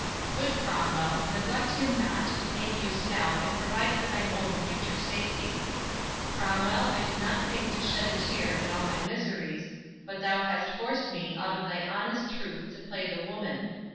Good Cromwell, Neglect him not, make use now, and provide For thine own future safety. Cromwell, I did not think to shed a tear In all my miseries; but thou hast forced me Out of thy honest truth to play the woman.